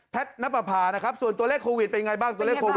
แพทย์นับประพานะครับส่วนตัวเลขโควิดเป็นไงบ้าง